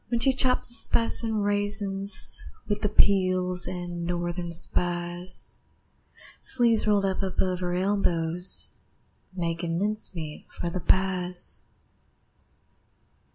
When she chops the spice an' raisins, With the peels an' Northern Spies, Sleeves rolled up above her elbows, Makin' mincemeat for the pies.